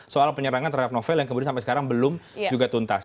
soal penyerangan terhadap novel yang kemudian sampai sekarang belum juga tuntas